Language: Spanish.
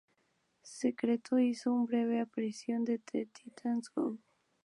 Secreto hizo un breve aparición en "Teen Titans Go!